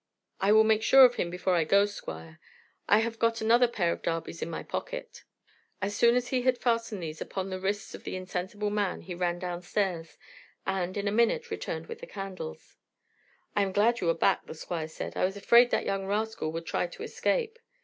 "I will make sure of him before I go, Squire. I have got another pair of darbys in my pocket." As soon as he had fastened these upon the wrists of the insensible man he ran downstairs, and in a minute returned with the candles. "I am glad that you are back," the Squire said. "I was afraid that young rascal would try to escape."